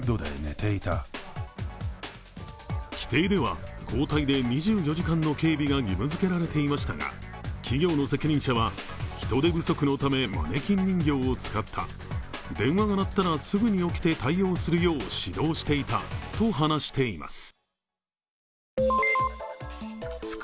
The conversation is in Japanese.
規定では、交代で２４時間の警備が義務づけられていましたが、企業の責任者は、人手不足のためマネキン人形を使った電話が鳴ったらすぐに起きて対応するよう指導していたと話しています。